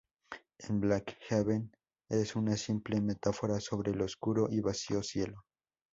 En Black Heaven es una simple metáfora sobre el oscuro y vacío cielo.